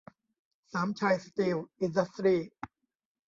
สามชัย สตีล อินดัสทรี